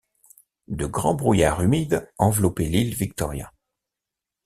De grands brouillards humides enveloppaient l’île Victoria.